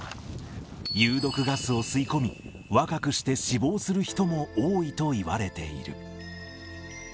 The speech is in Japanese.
有毒ガスを吸い込み、若くして死亡する人も多いといわれている。